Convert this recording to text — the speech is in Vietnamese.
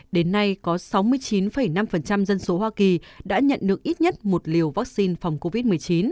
đến nay có sáu mươi chín năm dân số hoa kỳ đã nhận được ít nhất một liều vaccine phòng covid một mươi chín